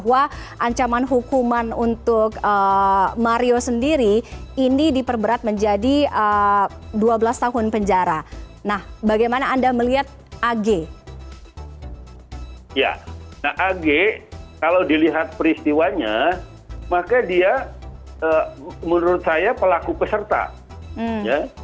ya nah ag kalau dilihat peristiwanya maka dia menurut saya pelaku peserta